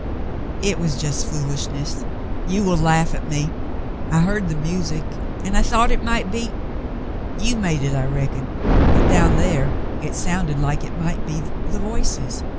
"It was just foolishness. You will laugh at me. I heard the music, and I thought it might be — you made it I reckon, but down there it sounded like it might be the 'Voices.'